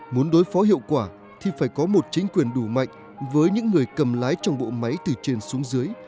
muốn đối phó hiệu quả thì phải có một chính quyền đủ mạnh với những người cầm lái trong bộ máy từ trên xuống dưới